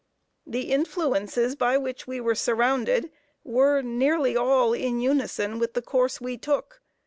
The influences by which we were surrounded, were nearly all in unison with the course we took.